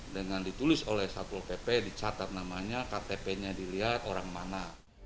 dengan ditulis oleh satpol pp dicatat namanya ktp nya dilihat orang mana